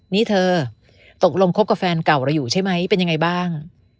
นี่เธอตกลงคบกับแฟนเก่าเราอยู่ใช่ไหมเป็นยังไงบ้าง